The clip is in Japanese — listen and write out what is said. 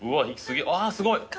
あすごい。